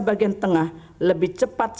bagian tengah lebih cepat